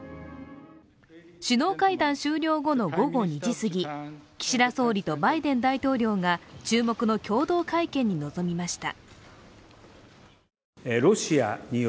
首脳会談終了後の午後２時すぎ、岸田総理とバイデン大統領が注目の共同会見に臨みました。